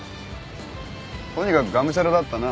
とにかくがむしゃらだったな。